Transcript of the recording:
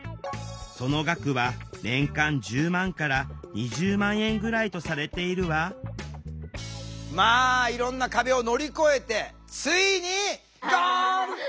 その額は年間１０万から２０万円ぐらいとされているわまあいろんな壁を乗り越えてついにゴール！